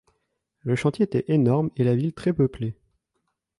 Le chantier était énorme et la ville très peu peuplée.